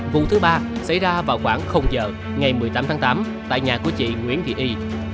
vụ thứ ba xảy ra vào khoảng giờ ngày một mươi tám tháng tám tại nhà của chị nguyễn thị y